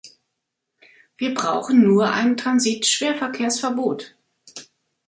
Wir brauchen nur ein Transitschwerverkehrsverbot.